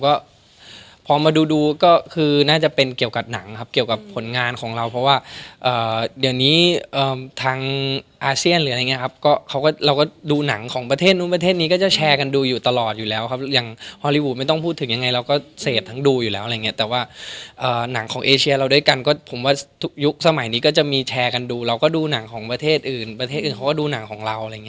ครับตอนแรกผมก็ยังสงสัยทำไมเขาถึงชื่นชอบผมก็พอมาดูก็คือน่าจะเป็นเกี่ยวกับหนังครับเกี่ยวกับผลงานของเราเพราะว่าเดี๋ยวนี้ทางอาเซียนหรืออะไรอย่างนี้ครับเราก็ดูหนังของประเทศนู้นประเทศนี้ก็จะแชร์กันดูอยู่ตลอดอยู่แล้วครับอย่างฮอลลีวูดไม่ต้องพูดถึงยังไงเราก็เสพทั้งดูอยู่แล้วอะไรอย่าง